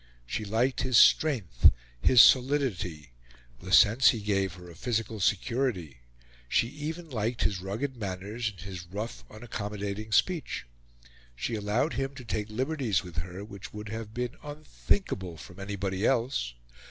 She liked his strength, his solidity, the sense he gave her of physical security; she even liked his rugged manners and his rough unaccommodating speech. She allowed him to take liberties with her which would have been unthinkable from anybody else.